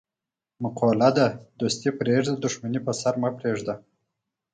مقوله ده: دوستي پرېږده، دښمني په سر مه پرېږده.